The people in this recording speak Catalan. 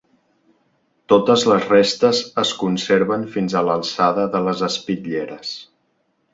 Totes les restes es conserven fins a l'alçada de les espitlleres.